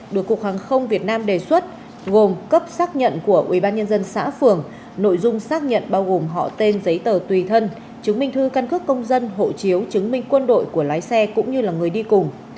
được cục hàng không việt nam đề xuất gồm cấp xác nhận của ubnd xã phường nội dung xác nhận bao gồm họ tên giấy tờ tùy thân chứng minh thư căn cước công dân hộ chiếu chứng minh quân đội của lái xe cũng như là người đi cùng